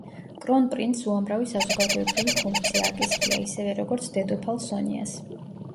კრონ–პრინცს უამრავი საზოგადოებრივი ფუნქცია აკისრია ისევე როგორც დედოფალ სონიას.